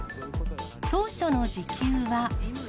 当初の時給は。